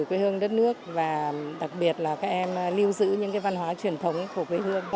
quê hương đất nước và đặc biệt là các em lưu giữ những văn hóa truyền thống của quê hương